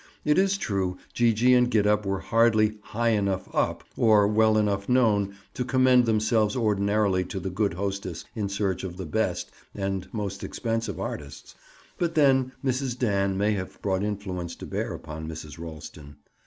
It is true, Gee gee and Gid up were hardly "high enough up," or well enough known, to commend themselves ordinarily to the good hostess in search of the best and most expensive artists, but then Mrs. Dan may have brought influence to bear upon Mrs. Ralston.